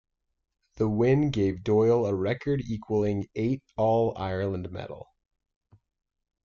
The win gave Doyle a record-equalling eight All-Ireland medal.